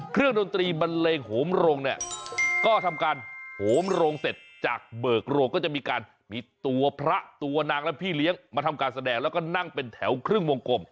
ดนตรีบันเลงโหมโรงเนี่ยก็ทำการโหมโรงเสร็จจากเบิกโรงก็จะมีการมีตัวพระตัวนางและพี่เลี้ยงมาทำการแสดงแล้วก็นั่งเป็นแถวครึ่งวงกลม